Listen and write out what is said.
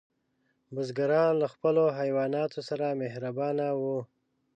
بزګران له خپلو حیواناتو سره مهربانه وو.